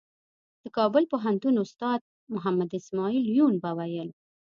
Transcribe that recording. د کابل پوهنتون استاد محمد اسمعیل یون به ویل.